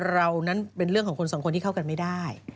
เรานั้นเป็นเรื่องของคนสองคนที่เข้ากันไม่ได้